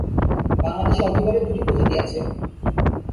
বাংলাদেশে অজগরের দুটি প্রজাতি আছে।